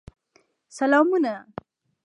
سلامونه !